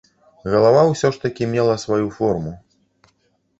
Галава ўсё ж такі мела сваю форму.